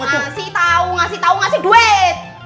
kasih tau kasih tau kasih duit